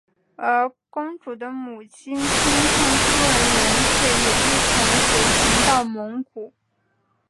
而公主的母亲钦圣夫人袁氏也一同随行到蒙古。